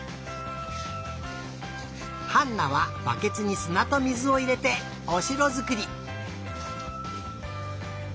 ハンナはバケツにすなと水をいれておしろづくり。